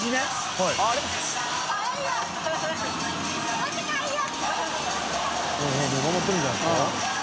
はい。））頑張ってるんじゃないですか？